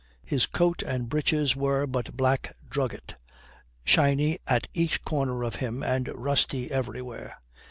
His coat and breeches were but black drugget, shiny at each corner of him and rusty everywhere.